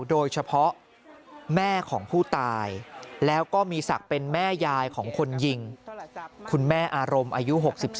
โดยเฉพาะแม่ของผู้ตายแล้วก็มีศักดิ์เป็นแม่ยายของคนยิงคุณแม่อารมณ์อายุ๖๒